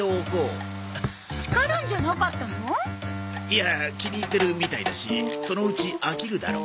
いや気に入ってるみたいだしそのうち飽きるだろ。